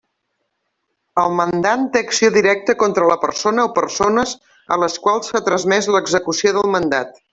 El mandant té acció directa contra la persona o persones a les quals s'ha transmès l'execució del mandat.